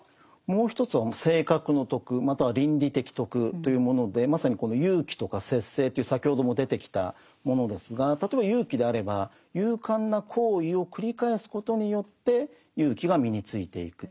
もう一つは性格の徳または倫理的徳というものでまさにこの勇気とか節制という先ほども出てきたものですが例えば勇気であれば勇敢な行為を繰り返すことによって勇気が身についていく。